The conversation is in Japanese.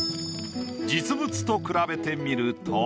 実物と比べてみると。